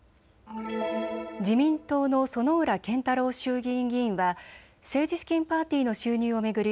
自民党の薗浦健太郎衆議院議員は政治資金パーティーの収入を巡り